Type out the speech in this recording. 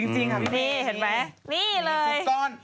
จริงค่ะพี่แม่นี่เห็นไหมนี่เลยสุกรอด